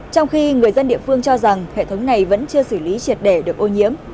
trong khi người dân địa phương cho rằng hệ thống này vẫn chưa xử lý triệt để được ô nhiễm